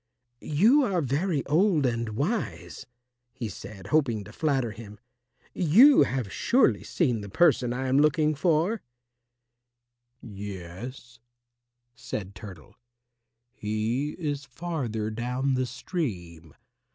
"You are very old and wise," he said, hoping to flatter him, "you have surely seen the person I am looking for." "Yes," said Turtle, "he is farther down the stream.